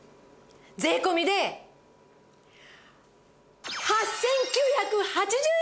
税込で８９８０円！